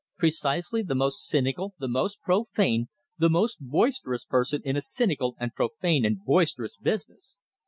Precisely the most cynical, the most profane, the most boisterous person in a cynical and profane and boisterous business!